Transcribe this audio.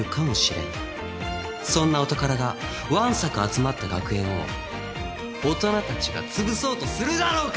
そんなお宝がわんさか集まった学園を大人たちがつぶそうとするだろうか！？